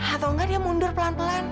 atau enggak dia mundur pelan pelan